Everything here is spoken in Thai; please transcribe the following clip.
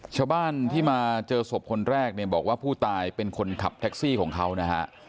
ชาวบ้านที่มาเจอศพคนแรกเนี่ยบอกว่าผู้ตายเป็นคนขับแท็กซี่ของเขานะฮะ